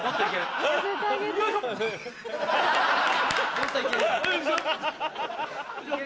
もっといけるよ。